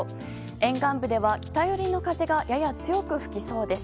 沿岸部では北寄りの風がやや強く吹きそうです。